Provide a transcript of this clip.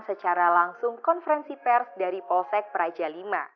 secara langsung konferensi pers dari polsek praja v